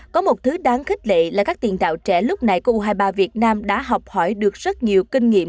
có một thứ đáng khích lệ là các tiền đạo trẻ lúc này u hai mươi ba việt nam đã học hỏi được rất nhiều kinh nghiệm